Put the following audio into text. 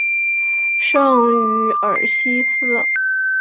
圣于尔西斯。